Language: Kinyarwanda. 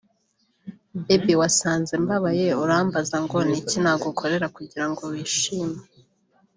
Baby wasanze mbabaye urambaza ngo ni iki nagukorera kugira ngo wishime